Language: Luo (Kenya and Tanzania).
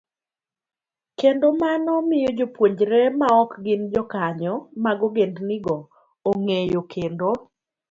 kendo mano miyo jopuonjre maok gin jokanyo mag ogendnigo ong'eyo kendo